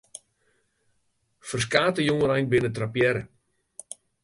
Ferskate jongeren binne trappearre.